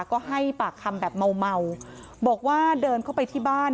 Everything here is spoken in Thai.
ก็ให้ปากคำแบบเมาบอกว่าเดินเข้าไปที่บ้าน